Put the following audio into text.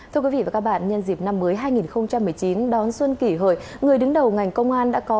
thưa quý vị và các bạn nhân dịp năm mới hai nghìn một mươi chín đón xuân kỷ hợi người đứng đầu ngành công an đã có